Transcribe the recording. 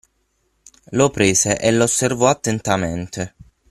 Lo prese e l’osservò attentamente.